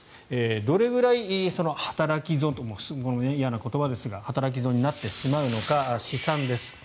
どれくらい働き損という嫌な言葉ですが働き損になってしまうのか試算です。